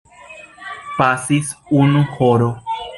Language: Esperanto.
Pasis unu horo.